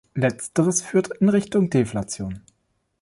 Letzteres führt in Richtung Deflation.